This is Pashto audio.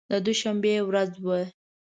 د دوشنبې ورځ وه.